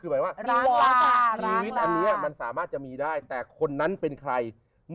คือหมายความชีวิตสามารถจะมีได้แต่คนนั้นเป็นใคร